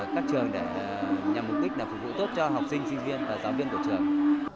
các trường nhằm mục đích phục vụ tốt cho học sinh sinh viên và giáo viên của trường